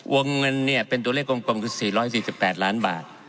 วงเงินเป็นตัวเลขกลมคือ๔๔๘ล้านบาท